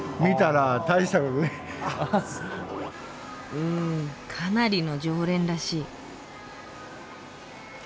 うんかなりの常連らしい。